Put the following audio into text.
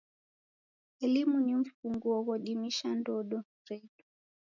Elimu ni mfunguo ghodimisha ndodo redu.